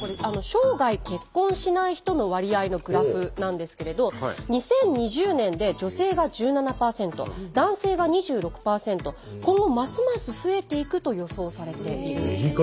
生涯結婚しない人の割合のグラフなんですけれど２０２０年で女性が１７％男性が２６％今後ますます増えていくと予想されているんです。